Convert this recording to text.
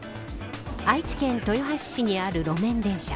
愛知県豊橋市にある路面電車。